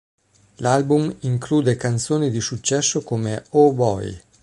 L'album include canzoni di successo come "Oh, Boy!